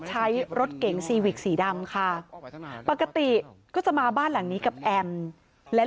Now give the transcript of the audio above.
ใช้รถเก๋งซีวิกสีดำค่ะปกติก็จะมาบ้านหลังนี้กับแอมและ